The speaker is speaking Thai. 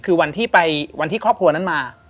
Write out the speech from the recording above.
คือวันที่ไปวันที่ครอบครัวนั้นมา